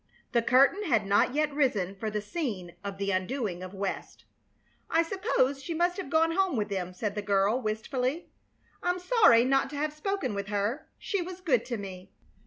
The curtain had not yet risen for the scene of the undoing of West. "I suppose she must have gone home with them," said the girl, wistfully. "I'm sorry not to have spoken with her. She was good to me."